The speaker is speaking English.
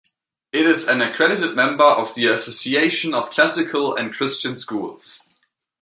It is an accredited member of the Association of Classical and Christian Schools.